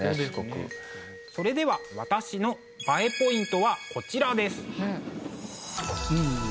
それでは私のＢＡＥポイントはこちらです。